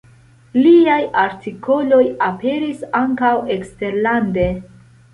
Liaj artikoloj aperis ankaŭ eksterlande.